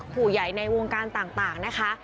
ผู้ใหญ่ในวงการต่างนะคะ